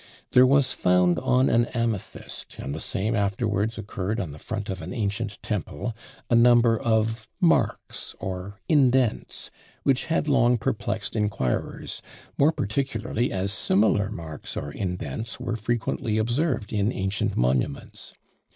There was found on an amethyst, and the same afterwards occurred on the front of an ancient temple, a number of marks, or indents, which had long perplexed inquirers, more particularly as similar marks or indents were frequently observed in ancient monuments.